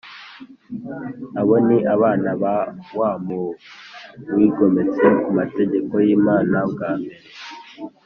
abo ni abana ba wa mubi wigometse ku mategeko y’imana bwa mbere